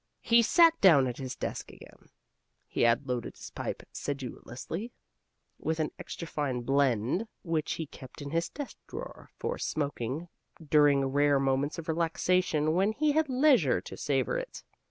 He sat down at his desk again. He had loaded his pipe sedulously with an extra fine blend which he kept in his desk drawer for smoking during rare moments of relaxation when he had leisure to savor it.